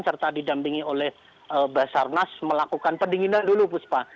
serta didampingi oleh basarnas melakukan pendinginan dulu bu sba